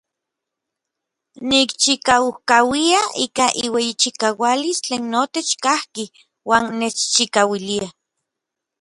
Nikchikaukauia ika iueyichikaualis tlen notech kajki iuan nechchikauilia.